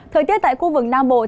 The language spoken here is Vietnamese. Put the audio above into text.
thời tiết tại khu vực tây nguyên